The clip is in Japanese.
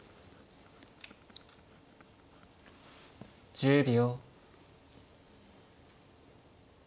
１０秒。